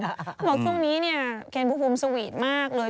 เขาบอกว่าพรุ่งนี้เนี่ยเคนภูมิภูมิสวีทมากเลย